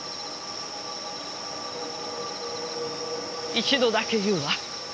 一度だけ言うわ。